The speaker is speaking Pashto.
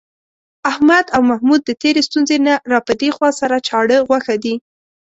احمد او محمود د تېرې ستونزې نه را پدېخوا، سره چاړه غوښه دي.